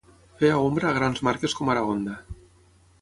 Feia ombra a grans marques com ara Honda.